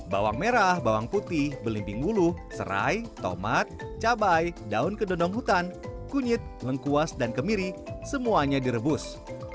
bawang merah bawang putih belimbing bulu serai tomat cabai daun kedondong hutan kunyit lengkuas dan kemiri semuanya direbus